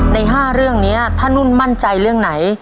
ใน๕เรื่องนี้ถ้านุ่นมั่นใจเรื่องไหน